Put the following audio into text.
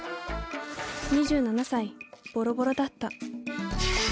２７歳ボロボロだった。